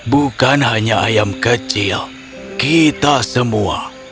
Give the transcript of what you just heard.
bukan hanya ayam kecil kita semua